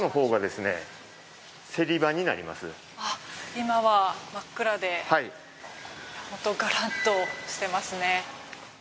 今は真っ暗でがらんとしてますね。